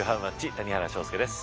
谷原章介です。